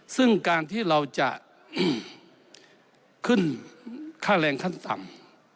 ซึ่งการที่เราจะขึ้นค่าแรงขั้นต่ำ